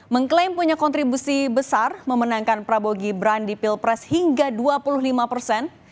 mengklaim punya kontribusi besar memenangkan prabowo gibran di pilpres hingga dua puluh lima persen